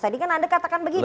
tadi kan anda katakan begini